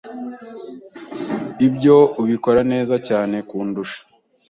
Ibyo ubikora neza cyane kundusha.